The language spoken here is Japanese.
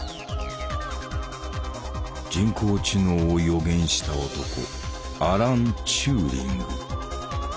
人工知能を予言した男アラン・チューリング。